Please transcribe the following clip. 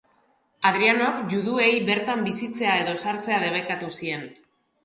Hadrianok juduei bertan bizitzea edo sartzea debekatu zien.